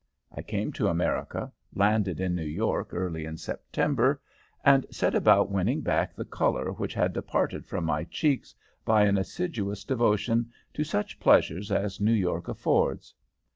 I came to America, landed in New York early in September, and set about winning back the color which had departed from my cheeks by an assiduous devotion to such pleasures as New York affords.